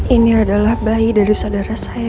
ini adalah bayi dari saudara saya